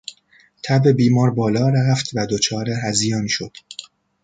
تب بیمار بالا رفت و دچار هذیان شد.